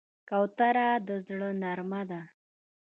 کوتره د زړه نرمه ده.